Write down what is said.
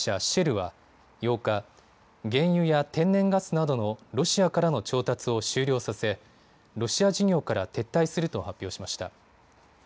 シェルは８日、原油や天然ガスなどのロシアからの調達を終了させロシア事業から撤退すると発表しました。